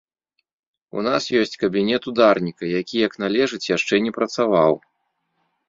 У нас ёсць кабінет ударніка, які як належыць яшчэ не працаваў.